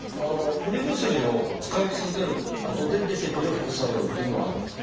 塗り薬を使い続けることで出てくる副作用っていうのはあるんですか？